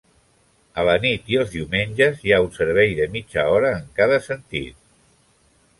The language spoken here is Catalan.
A la nit i els diumenges hi ha un servei de mitja hora en cada sentit.